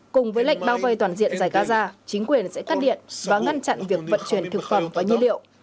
cùng với lệnh bao vây toàn diện giải gaza chính quyền sẽ cắt điện và ngăn chặn việc vận chuyển thực phẩm và nhiên liệu